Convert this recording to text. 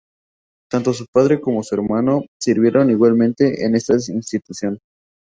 Tanto su padre como su hermano sirvieron igualmente en esa institución.